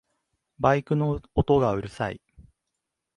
バイクの音がうるさい